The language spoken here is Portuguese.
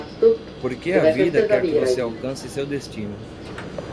Porque a vida quer que você alcance seu destino.